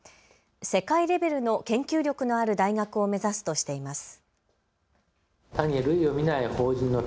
世界レベルの研究力のある大学を目指すとしています。